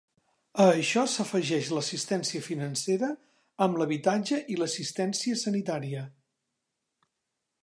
A això s'afegeix l'assistència financera amb l'habitatge i l'assistència sanitària.